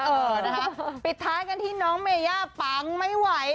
เออนะคะปิดท้ายกันที่น้องเมย่าปังไม่ไหว